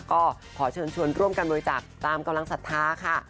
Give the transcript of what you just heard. ก็ขอเชิญชวนร่วมกันบริจาคตามกำลังศรัทธาค่ะ